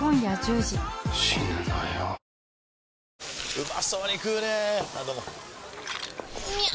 うまそうに食うねぇあどうもみゃう！！